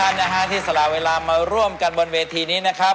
แล้วขอบคุณทั้ง๔ท่านที่สลาเวลามาร่วมกันบนเวทีนี้นะครับ